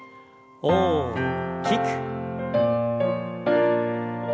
大きく。